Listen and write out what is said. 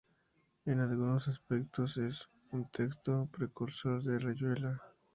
En algunos aspectos es un texto precursor de "Rayuela".